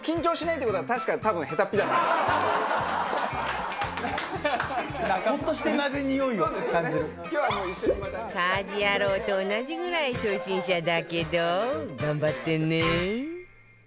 家事ヤロウと同じぐらい初心者だけど頑張ってね